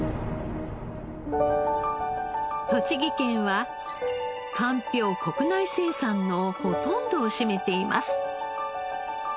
栃木県はかんぴょう国内生産のほとんどを占めています。